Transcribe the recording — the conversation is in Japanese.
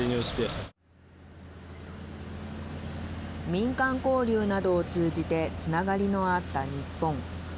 民間交流などを通じてつながりのあった日本。